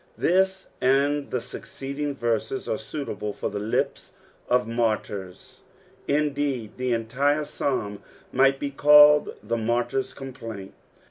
This and the suceeedine verses are suitable for the lips of martyrs, indeed the entire psalm might be called the martyr's complaint.